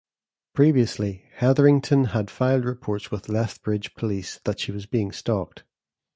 Previously, Heatherington had filed reports with Lethbridge police that she was being stalked.